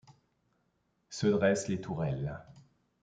Se dressent les tourelles